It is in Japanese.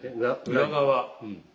裏側。